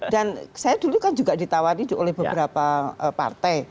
dan saya dulu kan juga ditawarkan oleh beberapa partai